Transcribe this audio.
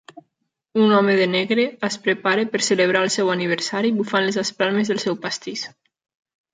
Un home de negre es prepara per celebrar el seu aniversari bufant les espelmes del seu pastís.